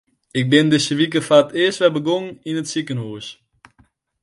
Ik bin dizze wike foar it earst wer begûn yn it sikehús.